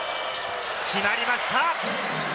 決まりました！